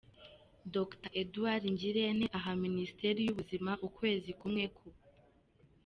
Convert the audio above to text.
Dr. Eduard Ngirente, aha Minisiteri y’Ubuzima, ukwezi kumwe ko